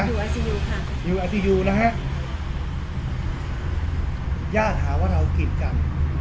อาซียูค่ะอยู่อาซียูนะฮะญาติหาว่าเรากิจกัน